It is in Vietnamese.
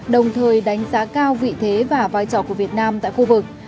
đồng thời đánh giá cao vị thế và vai trò của việt nam tại khu vực